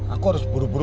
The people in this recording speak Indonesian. aku harus buru buru